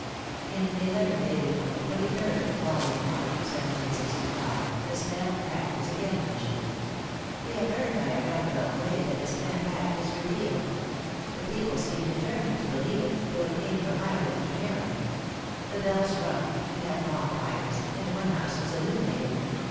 In a letter dated on the 23d of the following March (1765), the Stamp Act is again mentioned: "We have heard by a round about way that the Stamp Act is repealed. The people seem determined to believe it, though it came from Ireland to Maryland. The bells rung, we had bonfires, and one house was illuminated.